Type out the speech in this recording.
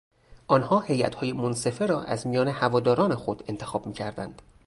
آنان هیاتهای منصفه را از میان هواداران خود انتخاب میکردند.